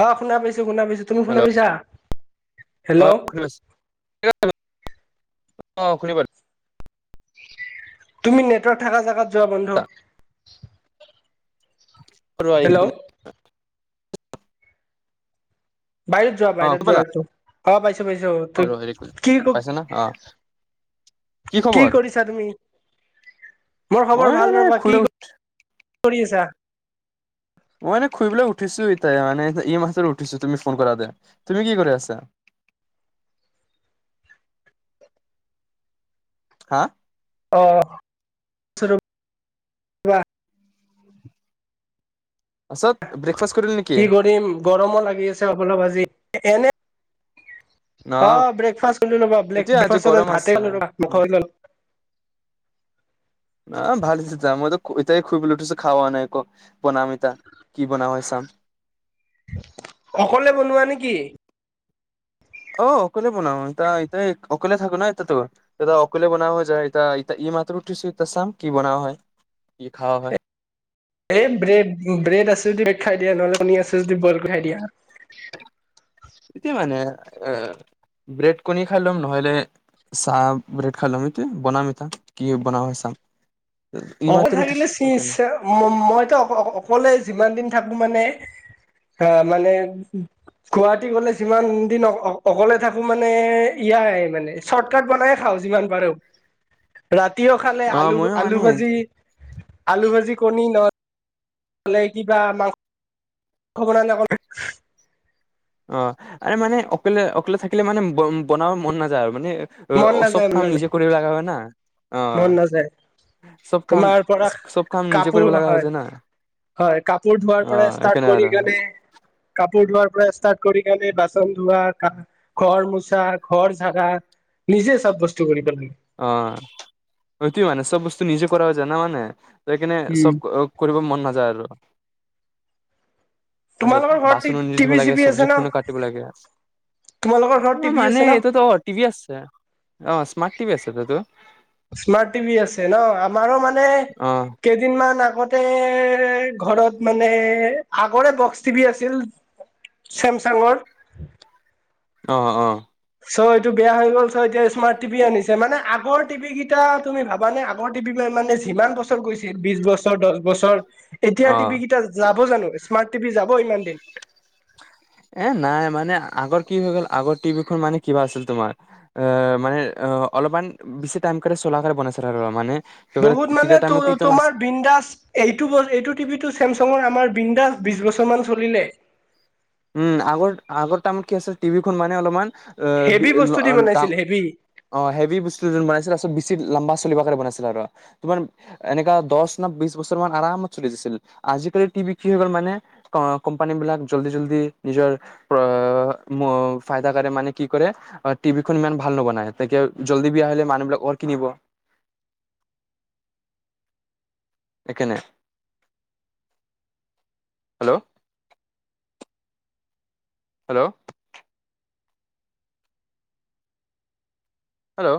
অঁ শুনা পাইছো, শুনা পাইছো, তুমি শুনা পাইছা? অঁ হেল্ল' শু আহ শুনিব। তুমি নেটৱৰ্ক থাকা জেগাত যোৱা বন্ধ। আৰু ম বাহিৰত যোৱা, অ শুনি বাহিৰত যোৱা পালা একদম, হাৱা পাইছে। পাইছ, অ ত ৰ এক মিনিট কি ক পাইছা না অ কি কৰিছা তুমি? মোৰ মই খবৰ ভাল এনে ৰবা শুই কি কৰি আছা? মই এনে ফুৰিবলৈ উঠিছো এতিয়াই মানে এই মাহত উঠিছো তুমি ফোন কৰা দে, তুমি কি কৰি আছা? [inaudible] হা? অ', থুথু, কোৱা? আছত ব্ৰেকফাষ্ট কৰিল নেকি কি কৰিম! গৰমো লাগি আছে অলপ আজি এনে ন অ', ব্ৰেকফাষ্ট কৰিলো ব ব্লেক এতিয়া ব্ৰেকফাস্টত গৰম আজি আছে ভাতেই ল'লো ৰবা [unintelligible] অ ভাল [unintelligible] বনাও হয় চাম অকলে বনোৱা নেকি অ অকলে বনাও ইতা ইতা অকলে থাকো ন এতাতো এ অকলে বনাব যায় এতা কি মাত ৰুটি চইত চাম কি বনোৱা হয় কি খাোৱাা হয় এই ব্ৰেড ব্ৰেড আছো যদি ব্ৰেড খাই দিয়া নহলে কণী আছো যদি বইল কৰি খাই দিয়া এতিয়া মানে এ ব্ৰেড কণী খাই লম নহলে চাহ ব্ৰেড [unintelligible] [unintelligible] এইমাত্ৰ উঠিছো সেইকাৰণে। অকলে যিমান দিন থাকো মানে [unintelligible] হ মানে গুৱাহাটী গলে যিমান দিন অকলে থাকো মানে ইয়াত নাই মানে চৰ্ট কট বনাইে খাওঁ যিমান পাৰো [unintelligible] ৰাতিও খালে অ আলু ময়ো আলু মানে ভাজি আলু ভাজি কণী নয় লে কিবা মাংস মাংস বনালে অক অ আৰে মানে অকলে অকলে থাকিলে মানে ব বনাব মন নাযায় আৰু মানে মন চব নাযায় মন কাম নাযায় নিজে কৰিব লগা হয় না অ মন নাযায় চব কাম তোমাৰ পৰা চব কাম নিজে কৰিব লগা হয় যানা হয় কাপোৰ ধোৱাৰ পৰা ষ্টাৰ্ট কৰি কেনে কাপোৰ ধোৱাৰ পৰা ষ্টাৰ্ট কৰিণে বাচন ধোৱা ঘৰ মোচা ঘৰ জাগা নিজে চাব্যস্ত কৰি পেল অ তু মানে চব বস্তু নিজে কৰা যানা মানে এইখনে উম সব কৰিব মন নাযায় আৰু তোমালোকৰ তাৰপিছত ঘৰত বাচনো নিজ ধূব টিভি লাগে চিভি আছে চব্জি ন খো কাটিব লাগে তোমালোকৰ ঘৰত অ টিভি আছে মানে ন এইটোতো অ টভি আছে অ স্মাৰ্ট টভি আছে ততো স্মাৰ্ট টিভি আছে ন আমাৰো মানে অ কেইদিনমান আ আগতে ঘৰত মানে আগৰে বক্স টিভি আছিল চেমচাংৰ অ অ চ' এইটো বেয়া হৈ গ'ল চ' এতিয়া স্মাৰ্ট টিভি আনি মেগৰ টিভি কেইটা তুমি ভাবানে আগৰ টিভি মান মানে যিমান বছৰ গৈছিল বিশ বছৰ দহ বছৰ এতিয়া অ টিভি কেইটা যাব জানো স্মাৰ্ট টিভি যাব ইমান দিন এ নাই মানে আগৰ কি হৈ গ'ল আগৰ টিভিখন মানে কিবা আছিল তোমাৰ এ মানে অ অলপমান বিচি টাইম চোলাাকে বনাইছে আৰু মানে বহুত মানে তেতিয়া টাইমত ইটো নাচ তোমাৰ বিন্দাছ এইটো এইটো টিভি টো চেমচাঙৰ আমাৰ বিন্দাছ বিশ বছৰ মান চলিলে উম আগৰ আগৰ তামাৰ কি আছিল টিভিখন মানে অলপমান [unintelligible] হেভি বস্তু দি বনাইছিল হেভি চল বনাইছিল আৰু তমাৰ এনেকাা দ ন বিশ বছৰ মান আৰামত চলিছিল আজিকালি [unintelligible] নিজৰ ফাইদাকে মানে কি কৰে টিভিখন ইমান ভাল নবনাই তেনেকে জল্দি বিয়া হলে মানুহ বিলাক অ কিনিব এখনে হেল্ল', হেল্ল' হেল্ল'